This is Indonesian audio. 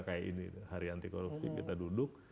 kayak ini hari anti korupsi kita duduk